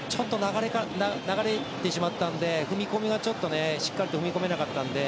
流れてしまったのでしっかりと踏み込めなかったので。